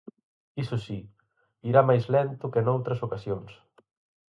Iso si, irá máis lento que noutras ocasións.